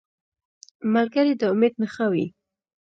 ملګری د امید نښه وي